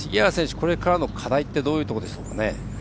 これからの課題ってどういうところでしょうかね？